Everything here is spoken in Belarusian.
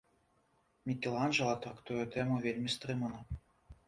Мікеланджэла трактуе тэму вельмі стрымана.